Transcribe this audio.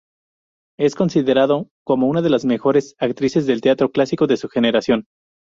Es considerada como una de las mejores actrices de teatro clásico de su generación.